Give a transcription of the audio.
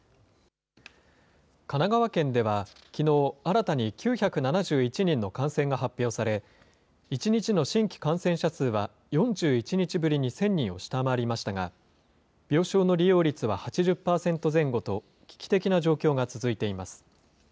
神奈川県ではきのう、新たに９７１人の感染が発表され、１日の新規感染者数は４１日ぶりに１０００人を下回りましたが、病床の利用率は８０％前後と、危機的な状況が続いています。